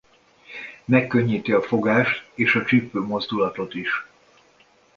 Megkönnyíti a fogást és a csípőmozdulatot is.